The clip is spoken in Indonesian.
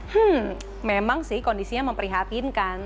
hmm memang sih kondisinya memprihatinkan